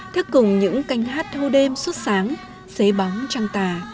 thất cùng những cánh hát hô đêm xuất sáng xế bóng trăng tà